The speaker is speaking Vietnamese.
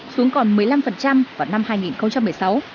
xuống còn một mươi năm vào năm hai nghìn một mươi sáu